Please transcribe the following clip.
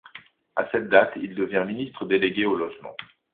À cette date, il devient ministre délégué au Logement.